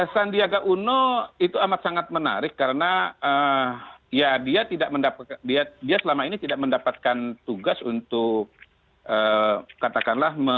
sandiaga uno itu amat sangat menarik karena ya dia tidak mendapatkan dia selama ini tidak mendapatkan tugas untuk katakanlah